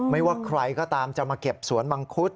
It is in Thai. ไม่ว่าใครก็ตามจะมาเก็บสวนมังคุด